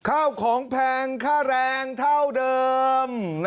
ข้าวของแพงค่าแรงเท่าเดิม